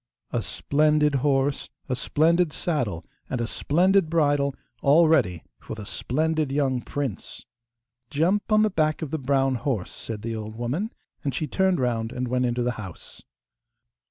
A splendid horse, a splendid saddle, and a splendid bridle, all ready for the splendid young prince! 'Jump on the back of the brown horse,' said the old woman, and she turned round and went into the house.